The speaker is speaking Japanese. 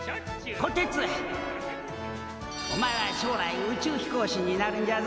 こてつおまえは将来宇宙飛行士になるんじゃぞ。